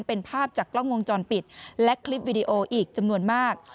เป็นภาพจากกล้องวงจรปิดและคลิปวิดีโออีกจำนวนมาก